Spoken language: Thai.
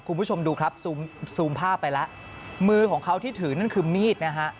คุณผู้ชมดูครับซูมซูมภาพไปแล้วมือของเขาที่ถือนั่นคือมีดนะฮะ